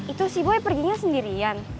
itu si boya perginya sendirian